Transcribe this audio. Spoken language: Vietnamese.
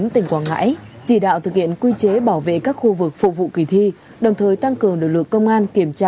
tỉnh quảng ngãi chỉ đạo thực hiện quy chế bảo vệ các khu vực phục vụ kỳ thi đồng thời tăng cường lực lượng công an kiểm tra